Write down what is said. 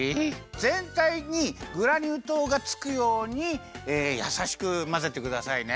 ぜんたいにグラニュー糖がつくようにやさしくまぜてくださいね。